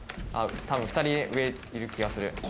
多分２人上いる気がする。